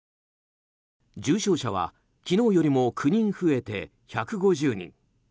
重症者は昨日よりも９人増えて１５０人。